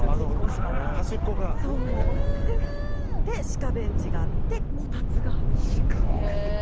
シカベンチがあってこたつがあって。